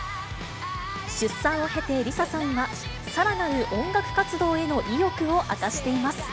出産を経てＬｉＳＡさんは、さらなる音楽活動への意欲を明かしています。